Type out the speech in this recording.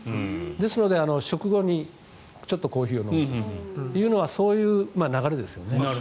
ですので、食後にちょっとコーヒーを飲むというのはそういう流れですよね。